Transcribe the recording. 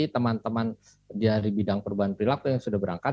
teman teman di bidang perubahan perilaku yang sudah berangkat